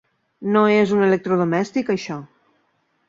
No és un electrodomèstic, això.